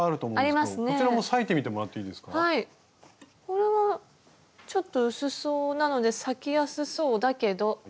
これはちょっと薄そうなので裂きやすそうだけど。